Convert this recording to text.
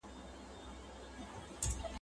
بزګر خپله غوا د پلورلو لپاره د کلي بازار ته بوتله.